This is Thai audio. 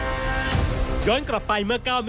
จ้านแอธนาคว์ความนายเอกยุทธ์เขาร้องกรองป่าวว่าหายตัวไป